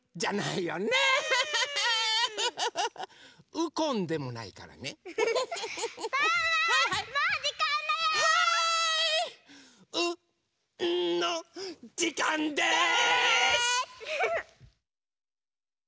「うんのじかんです！」。です！